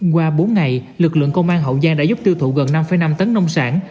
qua bốn ngày lực lượng công an hậu giang đã giúp tiêu thụ gần năm năm tấn nông sản